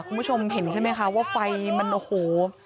คุณผู้ชมเห็นใช่ไหมคะว่าไฟมันโอ้โห